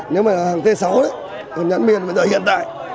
nếu mà hàng t sáu thì nhãn miền bây giờ hiện tại